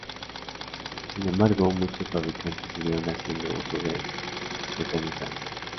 Sin embargo, muchos fabricantes siguieron haciendo uso del mecanizado.